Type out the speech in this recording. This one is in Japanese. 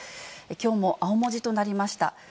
きょうも青文字となりました。